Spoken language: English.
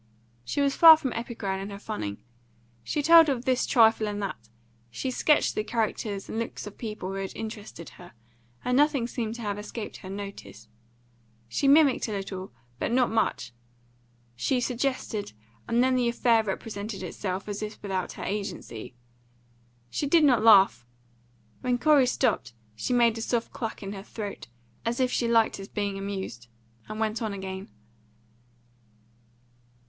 She was far from epigram in her funning. She told of this trifle and that; she sketched the characters and looks of people who had interested her, and nothing seemed to have escaped her notice; she mimicked a little, but not much; she suggested, and then the affair represented itself as if without her agency. She did not laugh; when Corey stopped she made a soft cluck in her throat, as if she liked his being amused, and went on again.